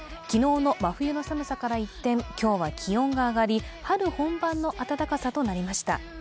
昨日の真冬の寒さから一転今日は気温が上がり春本番の暖かさとなりました。